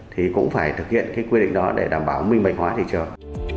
thì cũng phải thực hiện quy định đó để đảm bảo minh bạch hóa thị trường